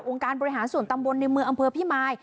การบริหารส่วนตำบลในเมืองอำเภอพิมาย